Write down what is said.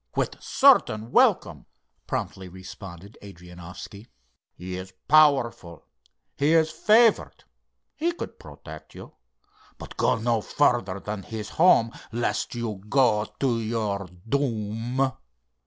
"With certain welcome," promptly responded Adrianoffski. "He is powerful, he is favored. He could protect you. But go no further than his home, lest you go to your doom.